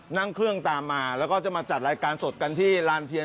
นั่งเครื่องตามมาแล้วก็จะมาจัดรายการสดกันที่ลานเทียน